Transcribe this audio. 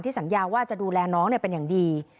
สัญญาว่าจะดูแลน้องเป็นอย่างดี